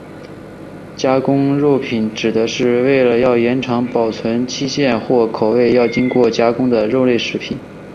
加工肉品指的是为了要延长保存期限或口味而经过加工的肉类食物。